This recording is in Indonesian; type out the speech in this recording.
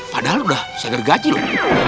padahal udah seger gaji loh